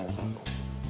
kau mau nikah sama aku